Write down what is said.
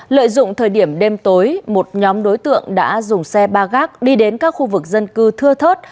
lợi dụng thời điểm đêm tối một nhóm đối tượng đã dùng xe ba gác đi đến các khu vực dân cư thưa thớt